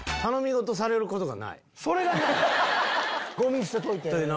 「ゴミ捨てといて」とか。